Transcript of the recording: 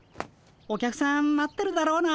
お客さん待ってるだろうな。